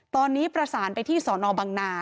ตอนนี้ประสานไปที่สนบังนา